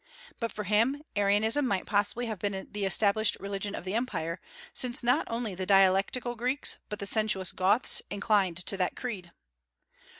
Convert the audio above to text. But for him, Arianism might possibly have been the established religion of the Empire, since not only the dialectical Greeks, but the sensuous Goths, inclined to that creed.